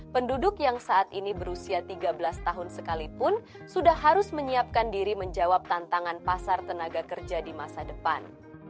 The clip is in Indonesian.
penduduk yang saat ini berusia tiga belas tahun sekalipun sudah harus menyiapkan diri menjawab tantangan pasar tenaga kerja di masa depan